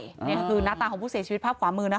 นี่คือหน้าตาของผู้เสียชีวิตภาพขวามือนะคะ